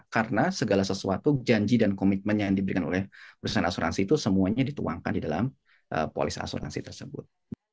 karena segala sesuatu janji dan komitmen yang diberikan oleh perusahaan asuransi itu semuanya dituangkan di dalam polis asuransi tersebut